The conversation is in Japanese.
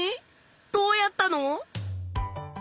どうやったの？